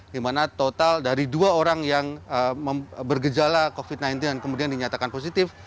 di mana total dari dua orang yang bergejala covid sembilan belas dan kemudian dinyatakan positif